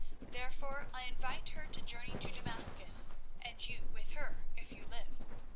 Therefore I invite her to journey to Damascus, and you with her, if you live.